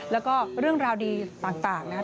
แล้วก็เรื่องราวดีต่างนะครับ